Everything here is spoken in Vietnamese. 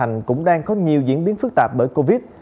các tỉnh thành cũng đang có nhiều diễn biến phức tạp bởi covid